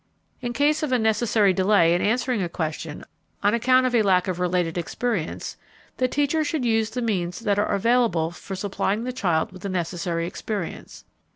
In case of a necessary delay in answering a question on account of a lack of related experience, the teacher should use the means that are available for supplying the child with the necessary experience.